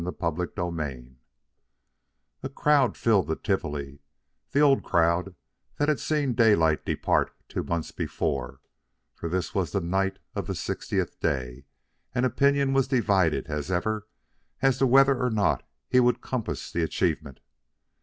CHAPTER VI A crowd filled the Tivoli the old crowd that had seen Daylight depart two months before; for this was the night of the sixtieth day, and opinion was divided as ever as to whether or not he would compass the achievement.